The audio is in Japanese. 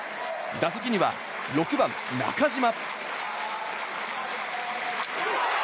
打席には６番、中島。